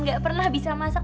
nggak pernah bisa masak